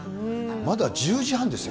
まだ１０時半ですよ。